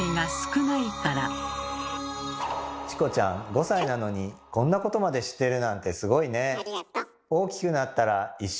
チコちゃん５歳なのにこんなことまで知ってるなんてすごいね。